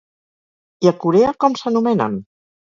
I a Corea com s'anomenen?